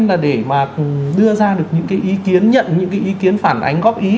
là để mà đưa ra được những cái ý kiến nhận những cái ý kiến phản ánh góp ý